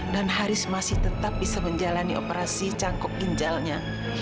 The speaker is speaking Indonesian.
dan haris masih tetap bisa menjalani operasi cangkok ginjalnya